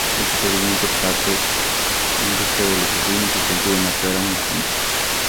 El superviviente parte en busca de los asesinos, y consigue matar a unos cuantos.